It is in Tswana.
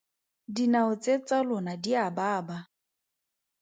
Dinao tse tsa lona di a baba.